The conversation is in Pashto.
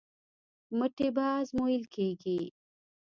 مټې به ازمویل کېږي.